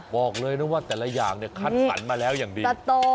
บอกเลยนะว่าแต่ละอย่างเนี่ยคัดสรรมาแล้วอย่างดี